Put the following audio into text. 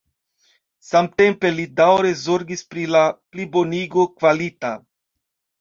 Samtempe li daŭre zorgis pri la plibonigo kvalita.